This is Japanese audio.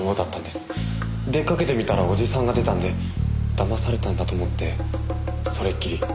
でかけてみたらおじさんが出たんで騙されたんだと思ってそれっきり。